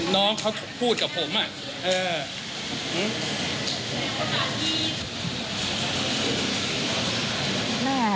น้องเขาพูดกับผมอ่ะ